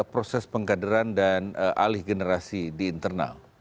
proses pengkaderan dan alih generasi di internal